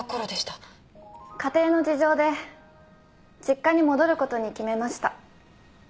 家庭の事情で実家に戻ることに決めました